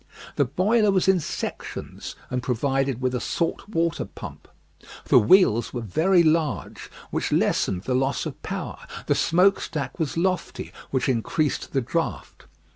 The boiler was in sections and provided with a salt water pump. The wheels were very large, which lessened the loss of power; the smoke stack was lofty, which increased the draught.